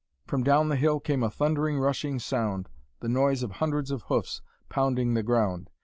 From down the hill came a thundering, rushing sound, the noise of hundreds of hoofs pounding the ground.